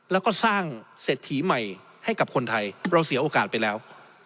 แล้วก็สร้างเศรษฐีใหม่ให้กับคนไทยเราเสียโอกาสไปแล้ว